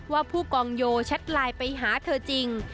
ว่าผู้กองโยชัดไลน์ไปหาเธอจริง